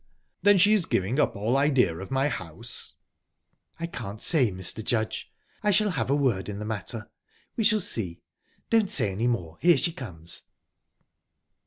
"Then she is giving up all idea of my house?" "I can't say, Mr. Judge. I shall have a word in the matter. We shall see. Don't say any more here she comes."